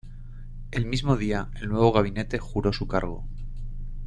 El mismo día el nuevo gabinete juró su cargo.